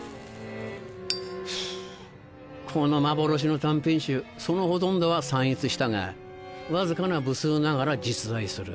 この幻の短編集そのほとんどは散逸したがわずかな部数ながら実在する。